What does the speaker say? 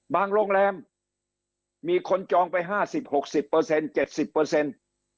บางโรงแรมมีคนจองไป๕๐๖๐เปอร์เซ็นต์๗๐เปอร์เซ็นต์